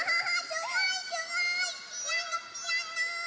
すごいすごいピアノピアノ！